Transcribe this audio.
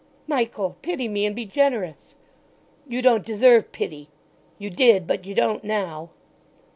"Michael—pity me, and be generous!" "You don't deserve pity! You did; but you don't now."